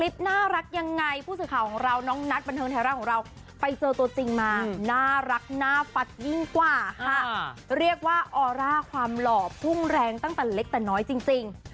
บรรเทิงแทรร่าของเราไปเจอตัวจริงมาน่ารักน่าฟัดยิ่งกว่าค่ะเรียกว่าออร่าความหล่อพุ่งแรงตั้งแต่เล็กแต่น้อยจริงจริง